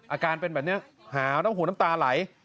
อาการเป็นแบบนี้หาวต้องหูน้ำตาไหล